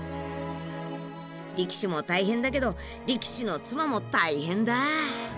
力士も大変だけど力士の妻も大変だ。